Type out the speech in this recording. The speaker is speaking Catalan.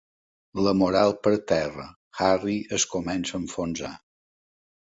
La moral per terra, Harry es comença a enfonsar.